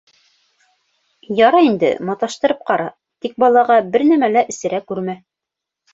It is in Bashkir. — Ярай инде, маташтырып ҡара, тик балаға бер нәмә лә эсерә күрмә.